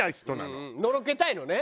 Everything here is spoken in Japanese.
のろけたいのね。